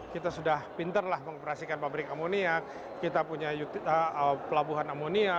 kita sudah pinter lah mengoperasikan pabrik amonia kita punya pelabuhan amonia